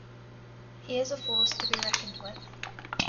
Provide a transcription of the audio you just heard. He is a force to be reckoned with.